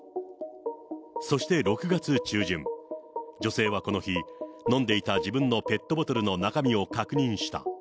そして６月中旬、女性はこの日、飲んでいた自分のペットボトルの中身を確認した。